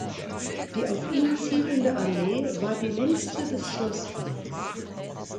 Die auf ihn zielende Allee war die längste des Schlossparks.